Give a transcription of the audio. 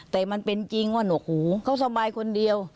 แต่มันเป็นจริงว่าหนกหูเขาสบายคนเดียว